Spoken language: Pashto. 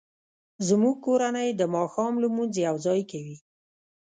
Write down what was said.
زموږ کورنۍ د ماښام لمونځ یوځای کوي